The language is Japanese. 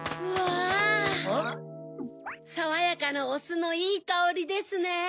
さわやかなおすのいいかおりですね。